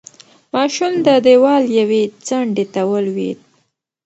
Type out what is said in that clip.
ماشوم د دېوال یوې څنډې ته ولوېد.